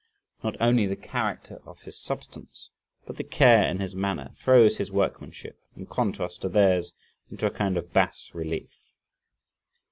Not only the character of his substance, but the care in his manner throws his workmanship, in contrast to theirs, into a kind of bas relief.